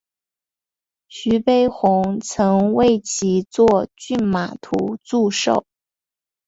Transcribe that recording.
徐悲鸿曾为其作骏马图祝寿。